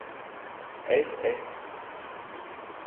Әйт, әйт.